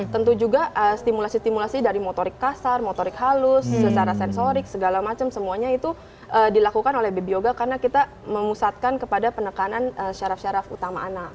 tentu juga stimulasi stimulasi dari motorik kasar motorik halus secara sensorik segala macam semuanya itu dilakukan oleh baby yoga karena kita memusatkan kepada penekanan syaraf syaraf utama anak